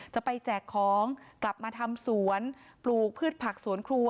แจกของกลับมาทำสวนปลูกพืชผักสวนครัว